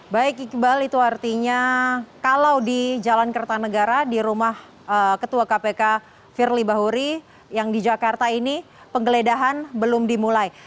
baik iqbal itu artinya kalau di jalan kertanegara di rumah ketua kpk firly bahuri yang di jakarta ini penggeledahan belum dimulai